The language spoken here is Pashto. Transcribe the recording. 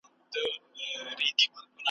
له سدیو انتظاره مېړنی پکښي پیدا کړي ,